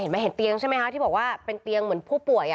เห็นเตียงใช่ไหมคะที่บอกว่าเป็นเตียงเหมือนผู้ป่วย